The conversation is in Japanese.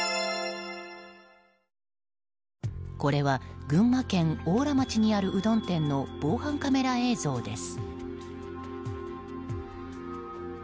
これは、群馬県邑楽町にあるうどん店の防犯カメラ映像です。